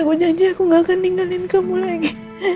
aku janji aku gak akan ninggalin kamu lagi